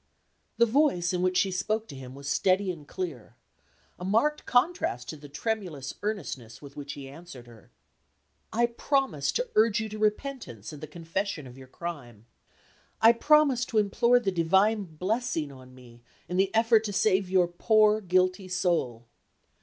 The voice in which she spoke to him was steady and clear; a marked contrast to the tremulous earnestness with which he answered her. "I promise to urge you to repentance and the confession of your crime. I promise to implore the divine blessing on me in the effort to save your poor guilty soul."